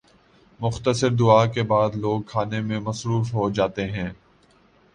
مختصر دعا کے بعد لوگ کھانے میں مصروف ہو جاتے ہیں۔